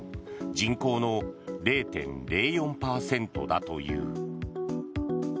人口の０．０４％だという。